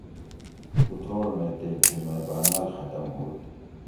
اتروڑ مئ تے تھِل مئ باۤناۤل ختم ھوت